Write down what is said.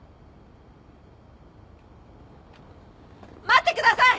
待ってください！